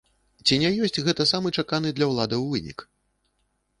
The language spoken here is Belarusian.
Ці не ёсць гэта самы чаканы для ўладаў вынік?